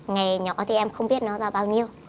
nghề nhỏ thì em không biết nó ra bao nhiêu